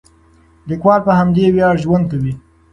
لیکوال په همدې ویاړ ژوند کوي.